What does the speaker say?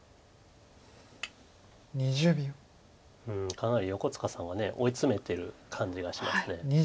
かなり横塚さんは追い詰めてる感じがします。